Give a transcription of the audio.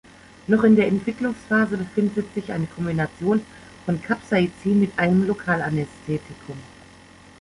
Noch in der Entwicklungsphase befindet sich eine Kombination von Capsaicin mit einem Lokalanästhetikum.